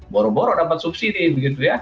boroboro dapat subsidi gitu ya